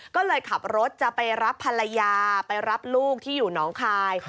ก็เลยขับรถจะไปรับภรรยาไปรับลูกที่อยู่หนองคาย